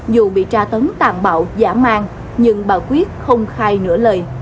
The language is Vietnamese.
dù bị tra tấn tàn bạo giả mang nhưng bà quyết không khai nữa lời